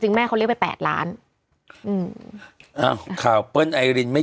แม่เขาเรียกไปแปดล้านอืมอ้าวข่าวเปิ้ลไอรินไม่